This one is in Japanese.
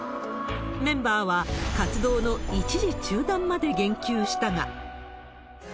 メンバーは活動の一時中断まで言及したが。